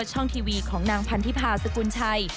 ช่องทีวีของนางพันธิพาสกุลชัย